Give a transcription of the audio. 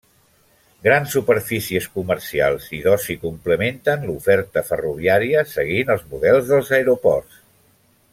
Grans superfícies comercials i d'oci complementen l'oferta ferroviària, seguint els models dels aeroports.